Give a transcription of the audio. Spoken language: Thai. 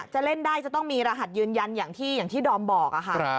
จะเล่นได้จะต้องมีรหัสยืนยันอย่างที่ดอมบอกค่ะ